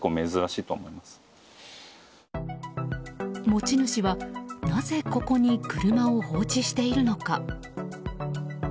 持ち主はなぜここに車を放置しているのか。